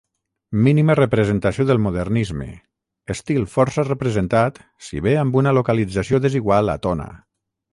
Mínima representació del modernisme, estil força representat si bé amb una localització desigual a Tona.